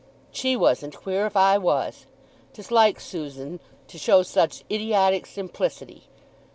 "She wasn't queer if I was. 'Tis like Susan to show such idiotic simplicity.